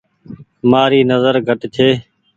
مآري نزر گھٽ ڇي۔